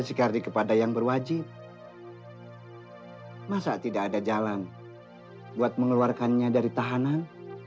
sekali kepada yang berwajib masa tidak ada jalan buat mengeluarkannya dari tahanan